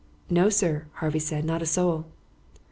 "No, sir," Harvey said, "not a soul."